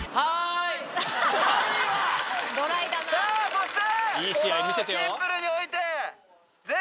そして。